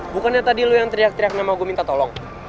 bukannya tadi lu yang teriak teriak nama gue minta tolong